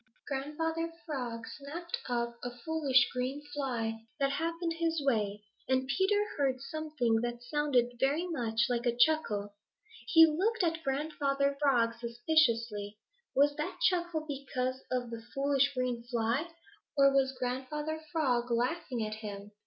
Grandfather Frog snapped up a foolish green fly that happened his way, and Peter heard something that sounded very much like a chuckle. He looked at Grandfather Frog suspiciously. Was that chuckle because of the foolish green fly, or was Grandfather Frog laughing at him?